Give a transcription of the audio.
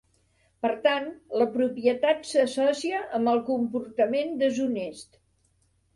Per tant, la propietat s'associa amb el comportament deshonest.